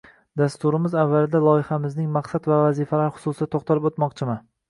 Dasturimiz avvalida loyixamizning maqsad va vazifalari xususida to‘xtalib o‘tmoqchiman.